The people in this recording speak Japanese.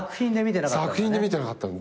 作品で見てなかったんだね。